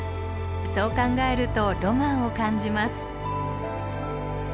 そう考えるとロマンを感じます。